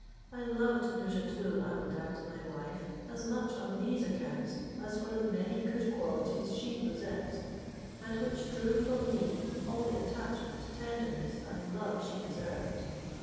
I loved Nouzhatoul aouadat my wife as much on these accounts, as for the many good qualities she possessed, and which drew from me all the attachment, tenderness, and love she deserved.